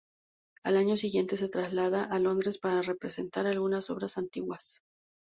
Al año siguiente se traslada a Londres para representar algunas obras antiguas.